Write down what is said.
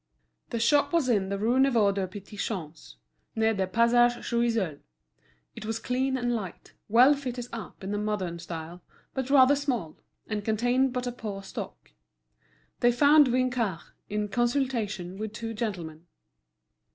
The shop was in the Rue Neuve des Petits Champs, near the Passage Choiseul. It was clean and light, well fitted up in the modern style, but rather small, and contained but a poor stock. They found Vinçard in consultation with two gentlemen.